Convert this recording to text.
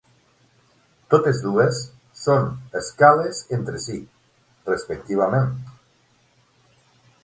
Totes dues són escales entre sí, respectivament.